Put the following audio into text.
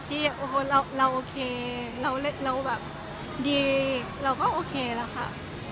ที่เราโอเคเราแบบดีเราก็โอเคแล้วค่ะ